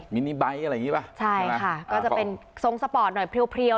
มินิไบท์อะไรอย่างงี้ป่ะใช่ค่ะก็จะเป็นทรงสปอร์ตหน่อยเพลียว